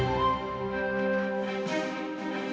ibu bantu anak ibu